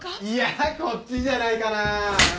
いやこっちじゃないかなぁ？